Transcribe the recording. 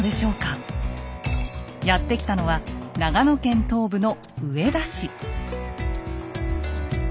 やって来たのは長野県東部の上田市。